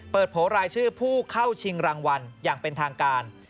โผล่รายชื่อผู้เข้าชิงรางวัลอย่างเป็นทางการ